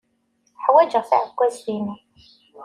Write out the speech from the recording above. Ḥwajeɣ taɛekkazt-inu.